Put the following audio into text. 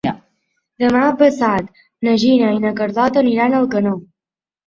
Demà passat na Gina i na Carlota aniran a Alcanó.